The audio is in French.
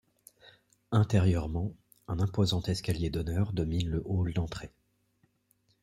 Intérieurement, un imposant escalier d'honneur domine le hall d'entrée.